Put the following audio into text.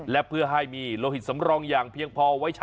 และเพื่อให้มีโลหิตสำรองอย่างเพียงพอไว้ใช้